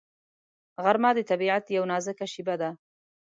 غرمه د طبیعت یو نازک شېبه ده